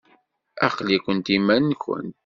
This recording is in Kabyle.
Aql-ikent iman-nkent.